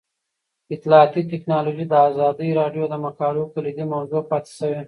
اطلاعاتی تکنالوژي د ازادي راډیو د مقالو کلیدي موضوع پاتې شوی.